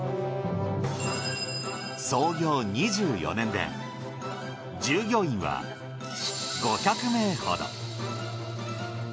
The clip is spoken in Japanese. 創業２４年で従業員は５００名ほど。